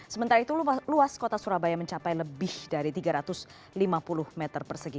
sementara itu luas kota surabaya mencapai lebih dari tiga ratus lima puluh meter persegi